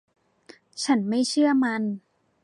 ฉันไม่เชื่อมัน